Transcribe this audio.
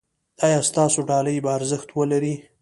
ایا ستاسو ډالۍ به ارزښت ولري؟